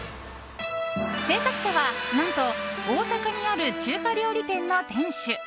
制作者は何と大阪にある中華料理店の店主。